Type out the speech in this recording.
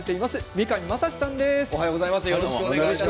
三上真史さんです。